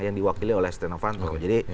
yang diwakili oleh stiano vanto